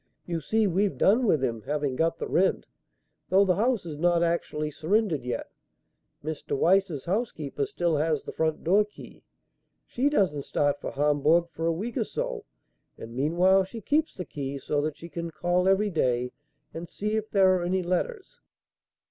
"You see we've done with him, having got the rent, though the house is not actually surrendered yet. Mr Weiss's housekeeper still has the front door key. She doesn't start for Hamburg for a week or so, and meanwhile she keeps the key so that she can call every day and see if there are any letters."